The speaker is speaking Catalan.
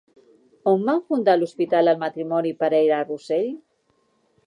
On van fundar l'hospital el matrimoni Pereira-Rossell?